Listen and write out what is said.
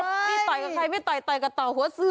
นี่ต่อยกับใครไม่ต่อยต่อยกับต่อหัวเสือ